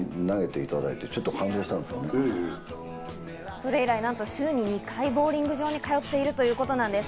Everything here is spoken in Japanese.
それ以来、なんと週に２回、ボウリング場に通っているということなんです。